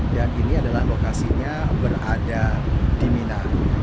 dan ini adalah lokasinya berada di mina